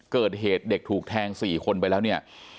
เกิดเหตุเด็กถูกแทง๔คนไปแล้วเนี่ย